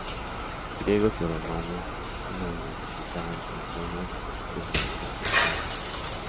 Griegos y romanos lo identificaban con Cronos y Saturno, respectivamente.